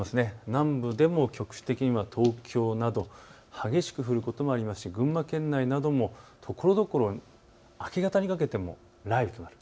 南部でも局地的には東京など激しく降ることもありますし群馬県内などところどころ明け方にかけても雷雨となる。